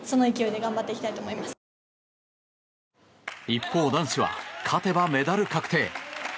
一方、男子は勝てばメダル確定。